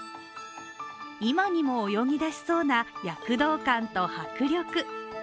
今にも泳ぎ出しそうな躍動感と迫力。